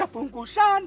hei ada bungkusan